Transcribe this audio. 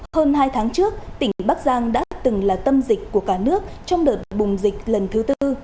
hơn hai tháng trước tỉnh bắc giang đã từng là tâm dịch của cả nước trong đợt bùng dịch lần thứ tư